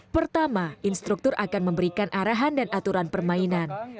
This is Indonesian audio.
pertama instruktur akan memberikan arahan dan aturan permainan